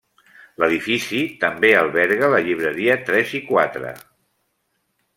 L'edifici també alberga la Llibreria Tres i Quatre.